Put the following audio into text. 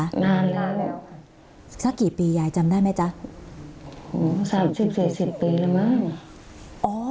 นานแล้วค่ะสักกี่ปียายจำได้ไหมจ๊ะสามสิบสี่สิบปีแล้วมั้งอ๋อ